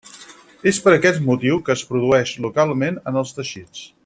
És per aquest motiu que es produeix localment en els teixits.